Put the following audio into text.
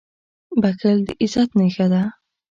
• بښل د عزت نښه ده.